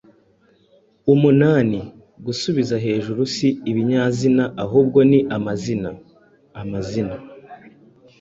umunani” gusubiza hejuru si ibinyazina ahubwo ni amazina (amazina